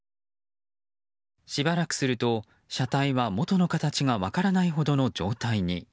しばらくすると車体は元の形が分からないほどの状態に。